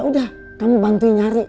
ya udah kamu bantuin nyari